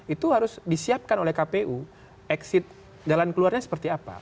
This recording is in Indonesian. itu harus disiapkan oleh kpu exit jalan keluarnya seperti apa